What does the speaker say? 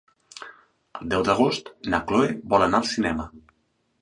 El deu d'agost na Chloé vol anar al cinema.